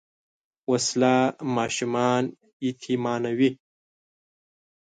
وسله ماشومان یتیمانوي